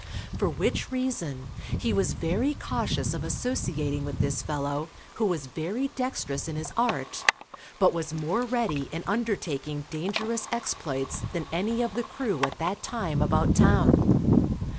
For which reason, he was very cautious of associating with this fellow who was very dextrous in his art, but was more ready in undertaking dangerous exploits than any of the crew at that time about town.